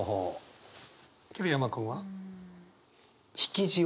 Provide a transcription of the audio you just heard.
桐山君は？